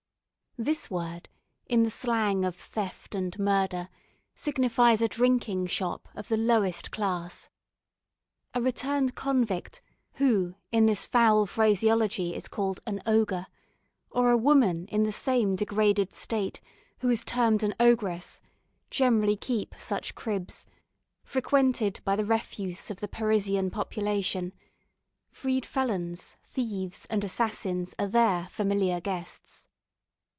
This word, in the slang of theft and murder, signifies a drinking shop of the lowest class. A returned convict, who, in this foul phraseology, is called an "ogre," or a woman in the same degraded state, who is termed an "ogress," generally keep such "cribs," frequented by the refuse of the Parisian population; freed felons, thieves, and assassins are there familiar guests.